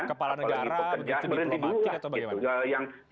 kepala negara diplomatik atau bagaimana